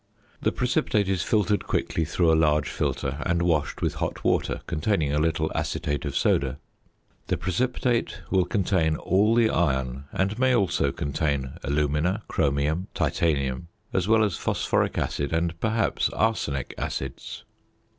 The precipitate is filtered quickly through a large filter, and washed with hot water containing a little acetate of soda. The precipitate will contain all the iron and may also contain alumina, chromium, titanium, as well as phosphoric, and, perhaps, arsenic acids.